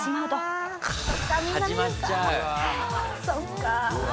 そうか。